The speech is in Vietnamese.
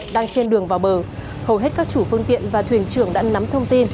đang trên đường vào bờ hầu hết các chủ phương tiện và thuyền trưởng đã nắm thông tin